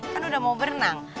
kan udah mau berenang